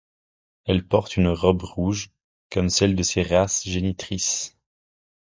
Elle porte une robe rouge, comme celle de ses races génitrices.